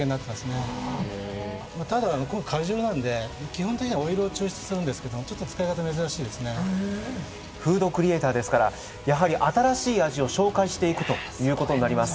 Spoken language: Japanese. へえーただこれ果汁なんで基本的にはオイルを抽出するんですけどちょっと使い方珍しいですねへえーフードクリエイターですからやはり新しい味を紹介していくということになります